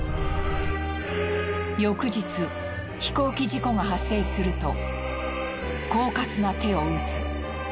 翌日飛行機事故が発生すると狡猾な手を打つ。